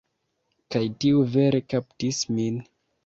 Kaj tiu vere kaptis min.